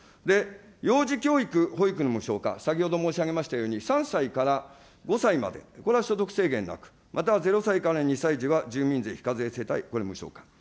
幼児教育、保育の無償化、先ほど申し上げましたように、３歳から５歳まで、これは所得制限なく、また０歳から２歳児は住民税非課税世帯、これ無償化。